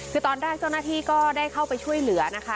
คือตอนแรกเจ้าหน้าที่ก็ได้เข้าไปช่วยเหลือนะคะ